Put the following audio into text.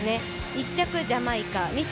１着ジャマイカ、２着